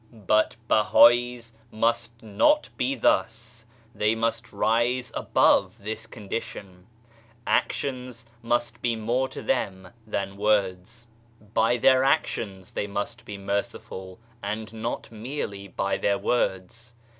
But Bahais must not be thus ; they must rise above this condition. Actions must be more to them than words. By their actions they must be merciful and not merely by their words.